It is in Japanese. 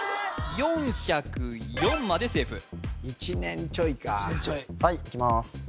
４０４までセーフ１年ちょいはいいきます